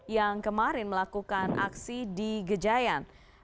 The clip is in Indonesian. yang kemarin melakukan aksi di gejayan